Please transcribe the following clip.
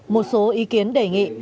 một số ý kiến đề nghị